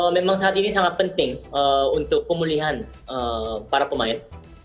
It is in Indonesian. memang saat ini sangat penting untuk pemulihan para pemain